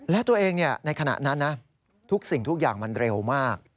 และตัวเองในขณะนั้นนะทุกสิ่งทุกอย่างมันเร็วมาก